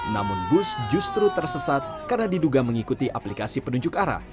namun bus justru tersesat karena diduga mengikuti aplikasi penunjuk arah